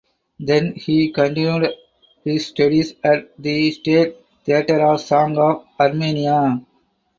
Then he continued his studies at the State Theater of Song of Armenia.